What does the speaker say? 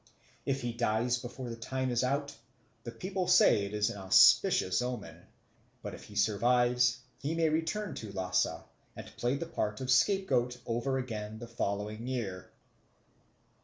If he dies before the time is out, the people say it is an auspicious omen; but if he survives, he may return to Lhasa and play the part of scapegoat over again the following year.